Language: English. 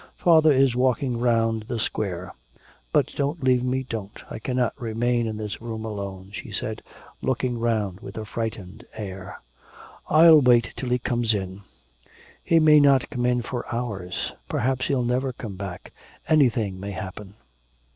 'Father is walking round the Square. But don't leave me, don't. I cannot remain in this room alone,' she said, looking round with a frightened air. 'I'll wait till he comes in.' 'He may not come in for hours. Perhaps he'll never come back, anything may happen.'